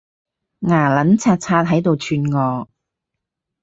牙撚擦擦喺度串我